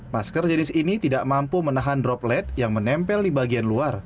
masker jenis ini tidak mampu menahan droplet yang menempel di bagian luar